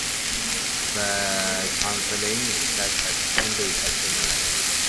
The Counseling set has only a single level.